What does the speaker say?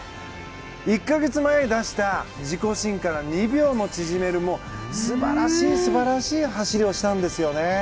１か月前に出した自己新から２秒も縮める素晴らしい素晴らしい走りをしたんですよね。